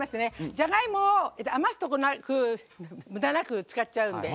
じゃがいもを余すとこなくむだなく使っちゃうんで。